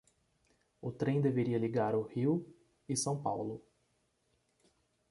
O trem deveria ligar o Rio e São Paulo.